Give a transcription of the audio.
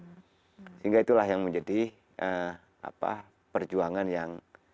sehingga itulah yang menjadi ee apa perjuangan yang